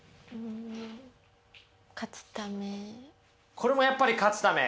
これもやっぱり勝つため。